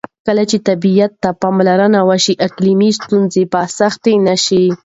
کله چې طبیعت ته پاملرنه وشي، اقلیمي ستونزې به سختې نه شي.